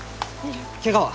ケガは？